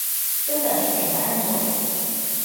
根本是给男人做的